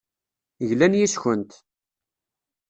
Glan yes-kent.